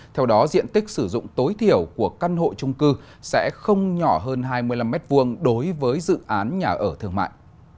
theo đó diện tích sử dụng tối thiểu của căn hộ trung cư sẽ không nhỏ hơn hai mươi năm m hai đối với dự án nhà ở thương mại